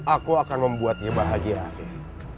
aku akan membuatnya bahagia aviv